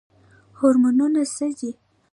هورمونونه څه دي؟